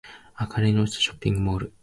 明かりの落ちたショッピングモール